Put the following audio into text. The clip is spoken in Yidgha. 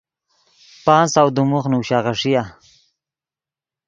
پانچ سو دیم موخ نوشا غیݰیا۔